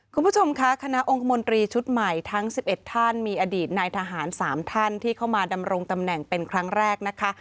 คุณผู้ชมคะคณะองคมนตรีชุดใหม่ทั้ง๑๑ท่านมีอดีตนายทหาร๓ท่านที่เข้ามาดำรงตำแหน่งเป็นครั้งแรกนะคะ